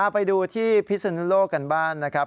ไปดูที่พิศนุโลกกันบ้านนะครับ